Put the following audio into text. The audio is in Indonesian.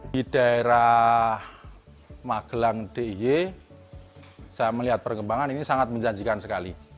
di daerah magelang diy saya melihat perkembangan ini sangat menjanjikan sekali